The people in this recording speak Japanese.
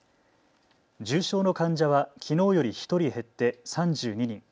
重症の患者はきのうより１人減って３２人。